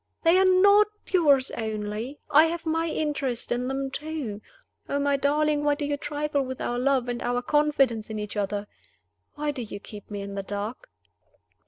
They are not yours only: I have my interest in them too. Oh, my darling, why do you trifle with our love and our confidence in each other? Why do you keep me in the dark?"